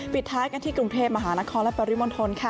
ปิดท้ายกันที่กรุงเทพมหานครและปริมณฑลค่ะ